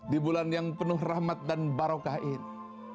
di bulan yang penuh rahmat dan barokah ini